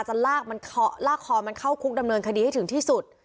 จะลากมันเคาะลากคอมันเข้าคุกดำเนินคดีให้ถึงที่สุด